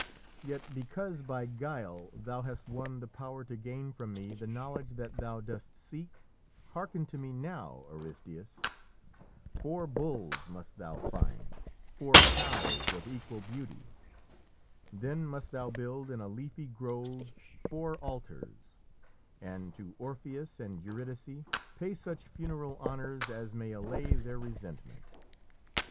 Yet, because by guile thou hast won the power to gain from me the knowledge that thou dost seek, hearken to me now, Aristæus! Four bulls must thou find four cows of equal beauty. Then must thou build in a leafy grove four altars, and to Orpheus and Eurydice pay such funeral honours as may allay their resentment.